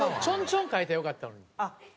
ちょんちょん描いたらよかったのに。